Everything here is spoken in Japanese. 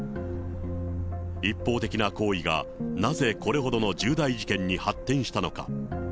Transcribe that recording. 一方的な好意がなぜこれほどの重大事件に発展したのか。